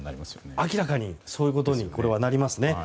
明らかにそういうことになりますね。